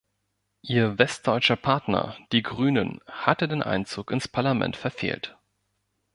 Ihr westdeutscher Partner, Die Grünen, hatte den Einzug ins Parlament verfehlt.